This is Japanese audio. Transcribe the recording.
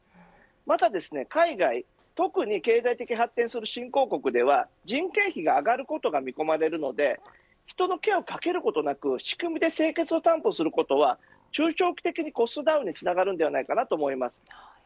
また海外、特に経済的に発展する新興国では人件費が上がることが見込まれるため人の手をかけることなく仕組みで清潔を担保することは中長期的にコストダウンにつながるのだと思います。